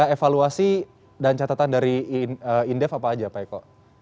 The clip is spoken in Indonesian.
evaluasi dan catatan dari indef apa aja pak eko